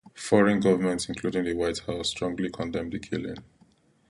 Foreign governments, including the White House, strongly condemned the killing.